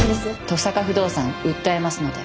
登坂不動産訴えますので。